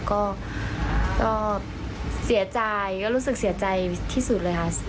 ก็เสียใจก็รู้สึกเสียใจที่สุดเลยค่ะ